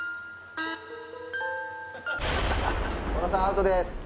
太田さんアウトです。